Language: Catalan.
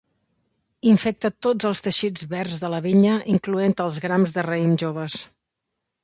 Infecta tots els teixits verds de la vinya incloent els grans de raïm joves.